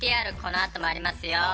このあともありますよ。